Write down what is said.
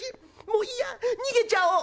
もういいや逃げちゃおう」。